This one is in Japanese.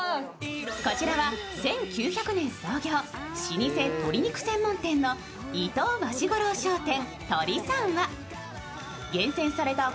こちらは１９００年創業、老舗鶏肉専門店の伊藤和四五郎商店。